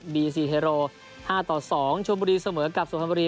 บีซีเฮโร๕๒ชวมบุรีเสมอกับสวมธรรมบุรี